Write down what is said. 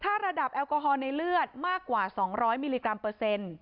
ถ้าระดับแอลกอฮอลในเลือดมากกว่า๒๐๐มิลลิกรัมเปอร์เซ็นต์